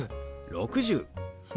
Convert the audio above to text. ６０。